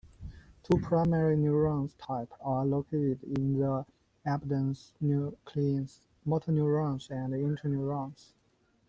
Two primary neuron types are located in the abducens nucleus: motorneurons and interneurons.